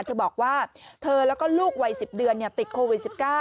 เธอบอกว่าเธอแล้วก็ลูกวัย๑๐เดือนติดโควิด๑๙